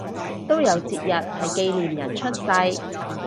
都有節日係紀念人出世